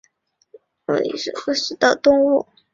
暹罗盾蛭为舌蛭科盾蛭属的动物。